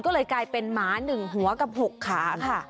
ก็เลยกลายเป็นหมา๑หัวกับ๖ขาค่ะ